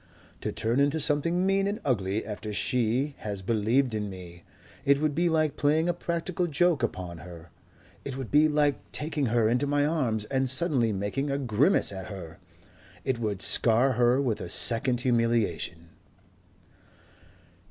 "To turn into something mean and ugly after she has believed in me.... It would be like playing a practical joke upon her. It would be like taking her into my arms and suddenly making a grimace at her.... It would scar her with a second humiliation...."